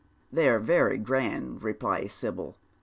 " Tht)y are very grand," replies Sibyl.